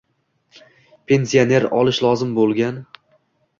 Pensioner olishi lozim bo‘lgan